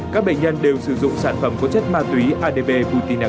các bệnh nhân đều sử dụng sản phẩm có chất ma túy adp butinaca